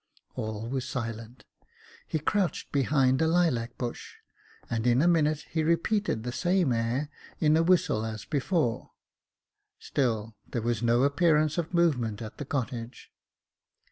All was silent. He crouched behind a lilac bush, and in a minute he repeated the same air in a whistle as before ; still there was no appearance of movement at the cottage.